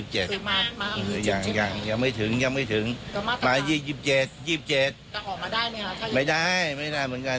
เขาขายกล่าวขาดในหลังกายมันอะไร